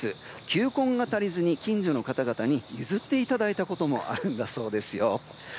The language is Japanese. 球根が足りずに近所の方々に譲っていただいたこともあるんだそうですよ。